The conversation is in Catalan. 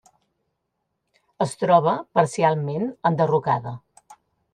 Es troba parcialment enderrocada.